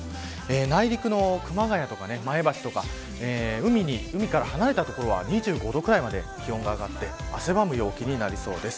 内陸の熊谷とか前橋とか海から離れた所は２５度ぐらいまで気温が上がって汗ばむ陽気になりそうです。